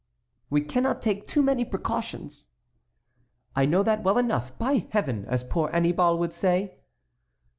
"We cannot take too many precautions." "I know that well enough, by Heaven! as poor Annibal would say."